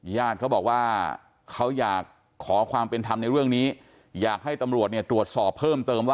ยาดเขาบอกว่าเขาอยากขอความเป็นทำในเรื่องนี้อยากให้ตำรวจตรวจสอบเพิ่มเติม